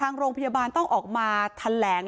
ทางโรงพยาบาลต้องออกมาทันแหลงและลุกขึ้นยืนยกมือไหว้ขอโทษเลยค่ะ